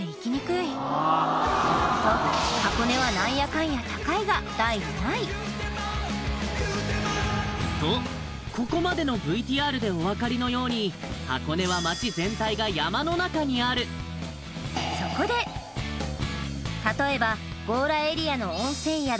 そう愛のウップン第７位はとここまでのＶＴＲでお分かりのように箱根は町全体が山の中にある例えば強羅エリアの温泉宿